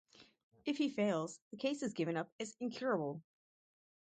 If he fails, the case is given up as incurable.